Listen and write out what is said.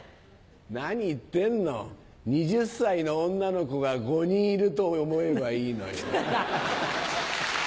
何言ってんの２０歳の女の子が５人いると思えばいいのよ。